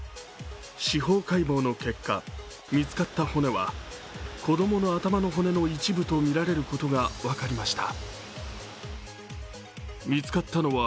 司法解剖の結果、見つかった骨は子供の頭の骨の一部とみられることが分かりました。